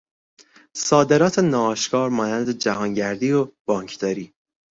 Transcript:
صادرات ناآشکار مانند جهانگردی و بانکداری